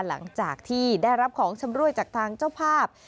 หลังจากที่ได้รับของชำรวยจากทางเจ้าภาพ